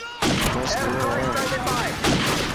همي سوئي رهه.